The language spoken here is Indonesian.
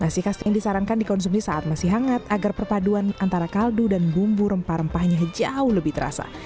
nasi khas yang disarankan dikonsumsi saat masih hangat agar perpaduan antara kaldu dan bumbu rempah rempahnya jauh lebih terasa